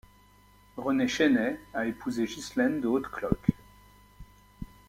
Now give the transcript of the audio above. René Chesnais a épousé Ghislaine de Hauteclocque.